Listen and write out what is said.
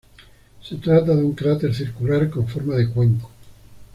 Se trata de un cráter circular con forma de cuenco.